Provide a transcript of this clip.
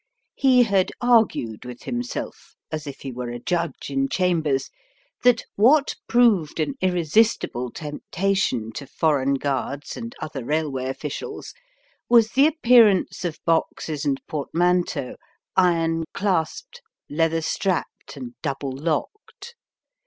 He had argued with himself (as if he were a judge in chambers) that what proved an irresistible temptation to foreign guards and other railway officials was the appearance of boxes and portmanteaux iron clasped, leather strapped, and double locked.